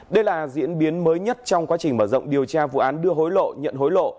đây là diễn biến mới nhất trong quá trình mở rộng điều tra vụ án đưa hối lộ nhận hối lộ